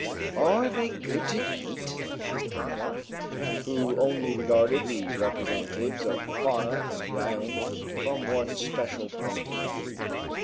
"Are they good to eat?" asked Pencroft, who only regarded the representatives of the fauna in the island from one special point of view.